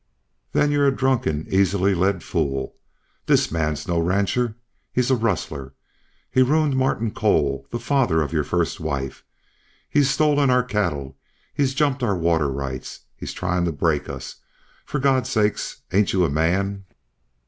"Then you're a drunken, easily led fool. This man's no rancher. He's a rustler. He ruined Martin Cole, the father of your first wife. He's stolen our cattle; he's jumped our water rights. He's trying to break us. For God's sake, ain't you a man?"